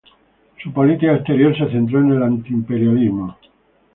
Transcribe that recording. Su política exterior se centró en el antiimperialismo.